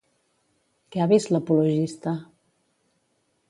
Què ha vist l'apologista?